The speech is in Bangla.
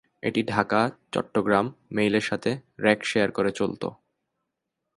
এটি ঢাকা/চট্টগ্রাম মেইলের সাথে রেক শেয়ার করে চলতো।